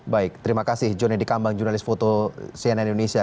baik terima kasih john nedi kambang jurnalis foto cnn indonesia